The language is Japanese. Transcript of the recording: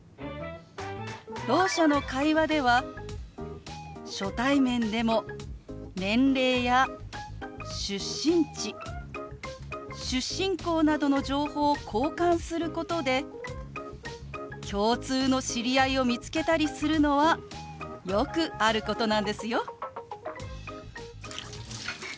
ろう者の会話では初対面でも年齢や出身地出身校などの情報を交換することで共通の知り合いを見つけたりするのはよくあることなんですよ。